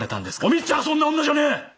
お美津ちゃんそんな女じゃねえ！